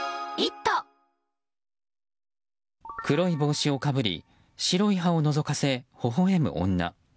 黒い帽子をかぶり白い歯をのぞかせ、ほほ笑む女。